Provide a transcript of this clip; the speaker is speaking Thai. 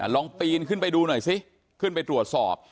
ลองปีนขึ้นไปดูหน่อยซิขึ้นไปตรวจสอบ